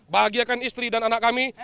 bahagiakan istri dan anak kami